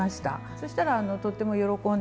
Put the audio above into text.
そしたらとっても喜んでくれて。